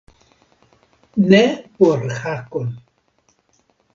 Ne por Hakon.